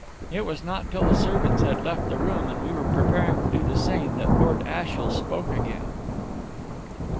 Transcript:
It was not till the servants had left the room, and we were preparing to do the same, that Lord Ashiel spoke again.